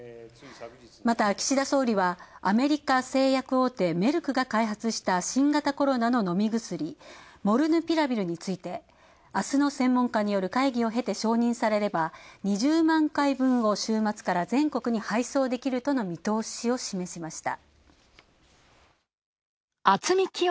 また、岸田総理はアメリカ製薬大手・メルクが開発した新型コロナののみ薬・モルヌピラビルについてあすの専門家の会議を経て承認されれば２０万回分を週末から全国に配送できるとの見通しを示しました。